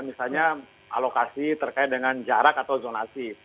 misalnya alokasi terkait dengan jarak atau zonasi